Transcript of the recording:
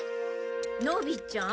のびちゃん。